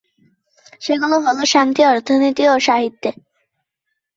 সেগুলো হল: শান্তি, অর্থনীতি ও সাহিত্যে।